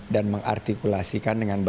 dan mengartikulasikan dengan berat